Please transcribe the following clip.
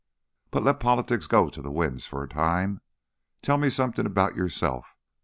But let politics go to the winds for a little. Tell me something about yourself.